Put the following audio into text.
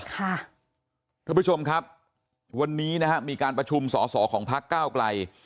ท่านผู้ชมครับวันนี้นะฮะมีการประชุมสอสอของพักเก้าไกล